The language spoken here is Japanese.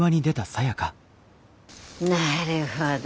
なるほど。